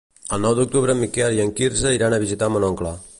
El nou d'octubre en Miquel i en Quirze iran a visitar mon oncle.